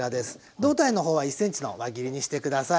胴体の方は１ｃｍの輪切りにして下さい。